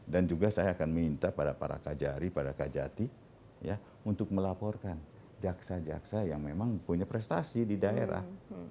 dan juga saya akan minta pada para kajari para kajati untuk melaporkan jaksa jaksa yang memang punya prestasi di daerah